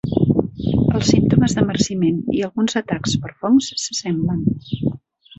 Els símptomes de marciment i alguns atacs per fongs s'assemblen.